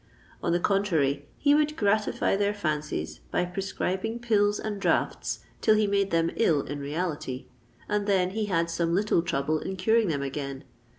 On the contrary, he would gratify their fancies by prescribing pills and draughts till he made them ill in reality; and then he had some little trouble in curing them again.